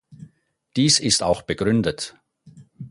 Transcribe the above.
Dies ist auch begründet.